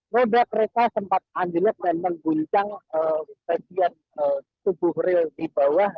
roda kereta sempat anjlok dan mengguncang bagian tubuh rel di bawah